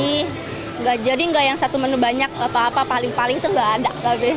enggak jadi nggak yang satu menu banyak apa apa paling paling itu nggak ada